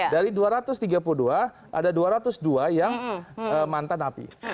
dari dua ratus tiga puluh dua ada dua ratus dua yang mantan api